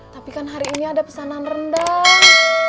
tapi kan hari ini ada pesanan rendang